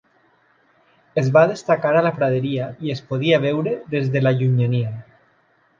Es va destacar a la praderia i es podia veure des de la llunyania.